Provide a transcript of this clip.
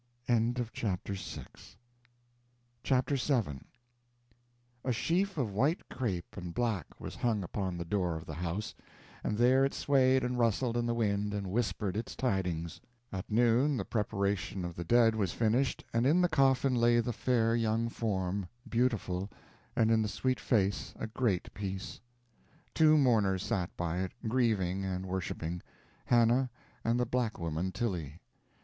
CHAPTER VII A sheaf of white crape and black was hung upon the door of the house, and there it swayed and rustled in the wind and whispered its tidings. At noon the preparation of the dead was finished, and in the coffin lay the fair young form, beautiful, and in the sweet face a great peace. Two mourners sat by it, grieving and worshipping Hannah and the black woman Tilly.